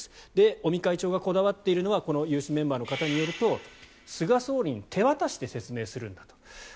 尾身会長がこだわっているのはこの有志メンバーの方によると菅総理に手渡しで説明するんだと。